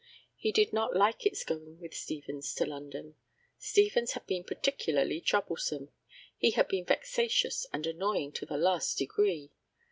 He did not like its going with Stevens to London. Stevens had been particularly troublesome; he had been vexatious and annoying to the last degree.